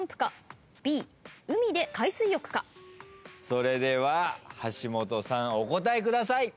それでは橋本さんお答えください。